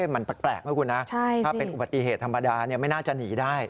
มันแปลกนะคุณนะถ้าเป็นอุบัติเหตุธรรมดาไม่น่าจะหนีได้